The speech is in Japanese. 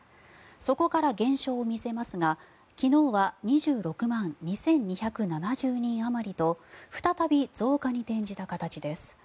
そこから減少を見せますが昨日は２６万２２７０人あまりと再び増加に転じた形です。